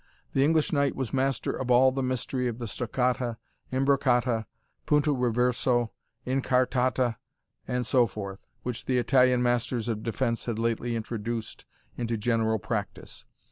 The English knight was master of all the mystery of the stoccata, imbrocata, punto reverso, incartata, and so forth, which the Italian masters of defence had lately introduced into general practice.